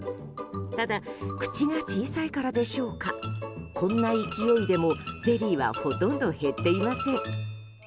ただ、口が小さいからでしょうかこんな勢いでもゼリーはほとんど減っていません。